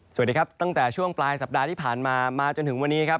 สวัสดีครับตั้งแต่ช่วงปลายสัปดาห์ที่ผ่านมามาจนถึงวันนี้ครับ